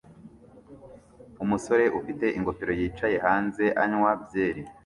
Umusore ufite ingofero yicaye hanze anywa byeri